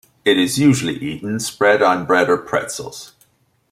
It is usually eaten spread on bread or pretzels.